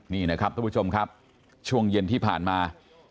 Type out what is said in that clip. นี่นะครับทุกผู้ชมครับช่วงเย็นที่ผ่านมา